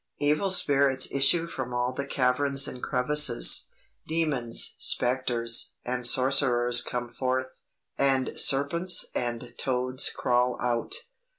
Evil spirits issue from all the caverns and crevasses demons, spectres, and sorcerers come forth, and serpents and toads crawl out.